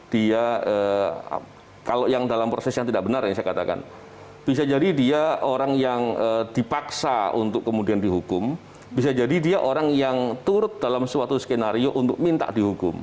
dia kalau yang dalam proses yang tidak benar yang saya katakan bisa jadi dia orang yang dipaksa untuk kemudian dihukum bisa jadi dia orang yang turut dalam suatu skenario untuk minta dihukum